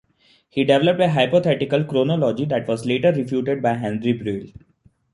He developed a hypothetical chronology that was later refuted by Henri Breuil.